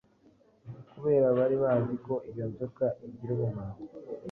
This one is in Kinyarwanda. Kubera bari bazi ko iyo nzoka igira ubumara,